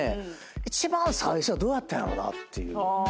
一番最初はどうやったんやろなっていう。